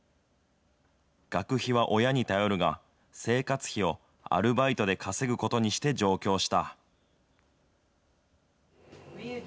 学費は親に頼るが、生活費をアルバイトで稼ぐことにして上京した。